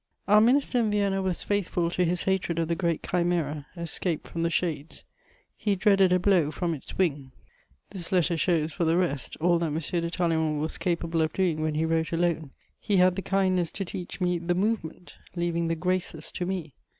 Our Minister in Vienna was faithful to his hatred of the great chimera escaped from the shades: he dreaded a blow from its wing. This letter shows, for the rest, all that M. de Talleyrand was capable of doing when he wrote alone: he had the kindness to teach me the "movement," leaving the "graces" to me.